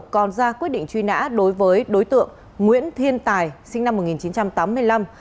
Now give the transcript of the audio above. còn ra quyết định truy nã đối với đối tượng nguyễn thiên tài sinh năm một nghìn chín trăm tám mươi năm